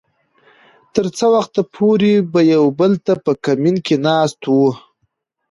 تر څه وخته پورې به يو بل ته په کمين کې ناست وو .